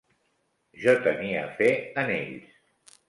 Jo tenia fé en ells.